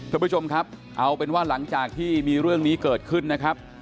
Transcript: คุณผู้ชมครับเอาเป็นว่าหลังจากที่มีเรื่องนี้เกิดขึ้นนะครับ